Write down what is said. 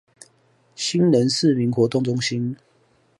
興仁市民活動中心